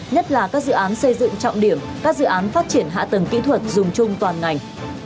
nhất là các dự án xây dựng trọng điểm các dự án phát triển hạ tầng kỹ thuật dùng chung toàn ngành